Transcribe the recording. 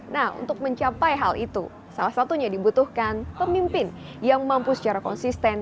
nah untuk mencapai hal itu salah satunya dibutuhkan pemimpin yang mampu secara konsisten